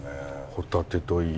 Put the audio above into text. ホタテといい。